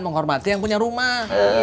menghormati yang punya rumah